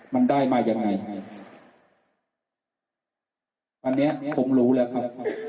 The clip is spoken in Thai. มันได้มายังไงฮะอันเนี้ยผมรู้แล้วครับ